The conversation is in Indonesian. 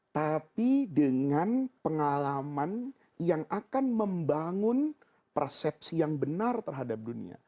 tapi dengan pengalaman yang akan membangun persepsi yang benar terhadap dunia